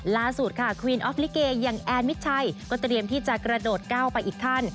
ล่าสุดค่ะควีนออฟลิเกอย่างแอนมิดชัยก็เตรียมที่จะกระโดดก้าวไปอีกขั้น